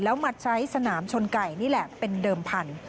แล้วมาใช้สนามชนไก่นี่แหละเป็นเดิมพันธุ